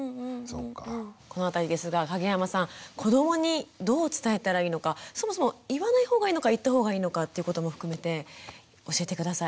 この辺りですが蔭山さん子どもにどう伝えたらいいのかそもそも言わない方がいいのか言った方がいいのかっていうことも含めて教えて下さい。